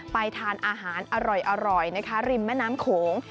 ทานอาหารอร่อยนะคะริมแม่น้ำโขง